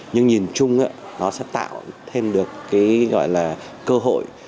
nhưng nhìn chung nó sẽ tạo thêm được cơ hội